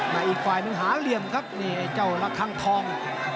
อีกฝ่ายหนึ่งหาเหลี่ยมครับนี่ไอ้เจ้าระคังทอง